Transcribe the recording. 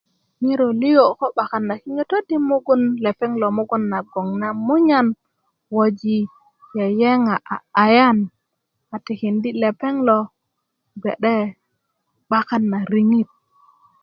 ŋirö liyo' ko 'bakan na kinyötöt i mugun lepeŋ lo mugun na gboŋ na munyan woji yeyeŋa a ayan a tikindi lepeŋ lo gbe'de 'bakan riŋit